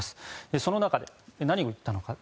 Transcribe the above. その中で何を言ったのか。